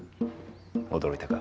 驚いたか？